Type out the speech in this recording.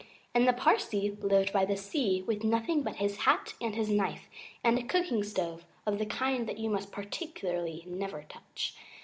And the Parsee lived by the Red Sea with nothing but his hat and his knife and a cooking stove of the kind that you must particularly never touch.